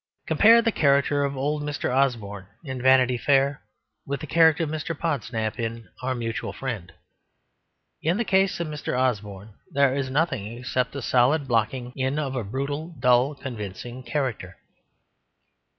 Compare the character of old Mr. Osborne in Vanity Fair with the character of Mr. Podsnap in Our Mutual Friend. In the case of Mr. Osborne there is nothing except the solid blocking in of a brutal dull convincing character.